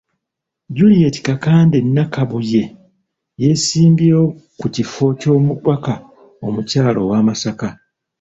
Juliet Kakande Nakabuye yeesimbyewo ku kifo ky'omubaka omukyala owa Masaka.